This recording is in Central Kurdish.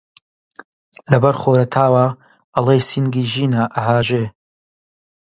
لەبەر خۆرەتاوا ئەڵێی سینگی ژینە ئەهاژێ